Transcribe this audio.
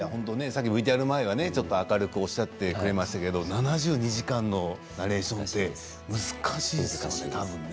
ＶＴＲ前は明るくおっしゃってくれましたけれども「７２時間」のナレーションって難しいですよね、多分ね。